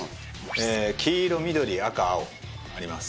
黄色緑赤青あります